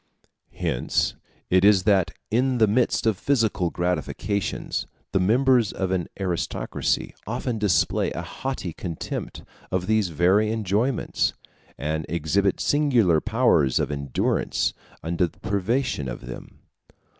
Hence it is that, in the midst of physical gratifications, the members of an aristocracy often display a haughty contempt of these very enjoyments, and exhibit singular powers of endurance under the privation of them.